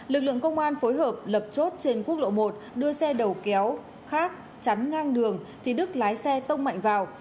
lực lượng công an phối hợp lập chốt trên quốc lộ một đưa xe đầu kéo khác chắn ngang đường thì đức lái xe tông mạnh vào